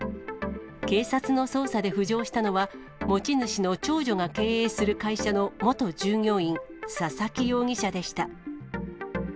警察の捜査で浮上したのは、持ち主の長女が経営する会社の元従業員、佐々木容疑者でした。